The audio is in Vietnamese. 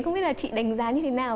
không biết là chị đánh giá như thế nào